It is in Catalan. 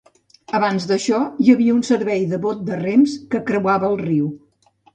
Abans d"això, hi havia un servei de bot de rems que creuava el riu.